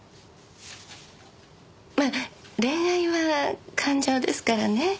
まあ恋愛は感情ですからね